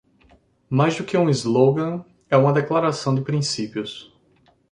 Mais do que um slogan, é uma declaração de princípios.